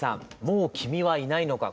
「もう君はいないのか」。